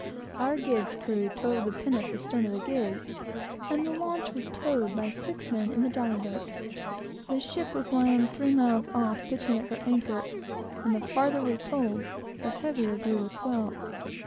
Our gig's crew towed the pinnace astern of the gig, and the launch was towed by six men in the jolly boat. The ship was lying three miles off, pitching at her anchor, and the farther we pulled, the heavier grew the swell.